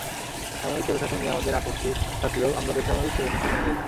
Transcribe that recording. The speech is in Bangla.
সামরিক স্বৈরশাসন নিয়ে আমাদের আপত্তি থাকলেও আমরা বেসামরিক স্বৈরশাসন মেনে নিয়েছি।